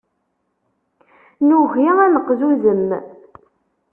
Nugi ad neqzuzem.